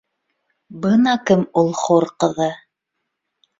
Бына кем ул хур ҡыҙы